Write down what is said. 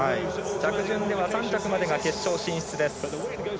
着順では３着までが決勝進出です。